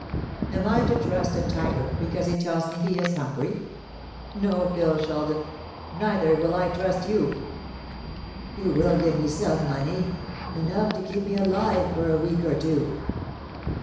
Am I to trust a tiger because he tells me he is hungry? No, Phil Sheldon; neither will I trust you." "You will give me some money enough to keep me alive for a week or two."